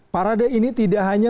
parade ini tidak hanya